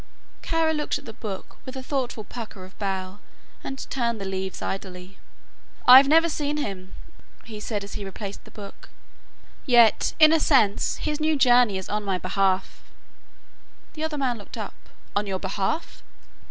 Kara looked at the book with a thoughtful pucker of brow and turned the leaves idly. "I've never seen him," he said as he replaced the book, "yet, in a sense, his new journey is on my behalf." The other man looked up. "On your behalf?"